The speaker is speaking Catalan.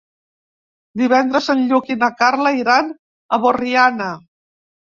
Divendres en Lluc i na Carla iran a Borriana.